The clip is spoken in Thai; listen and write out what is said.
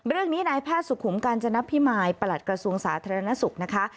เรื่องนี้นายแพทย์สุขุมกาญจนพิมายประหลัดกระทรวงสาธารณสุขนะคะ